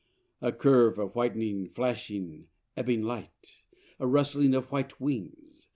A curve of whitening, flashing, ebbing light! A rustling of white wings!